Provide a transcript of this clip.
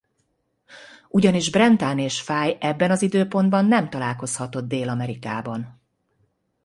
Ugyanis Brentán és Fáy ebben az időpontban nem találkozhatott Dél-Amerikában.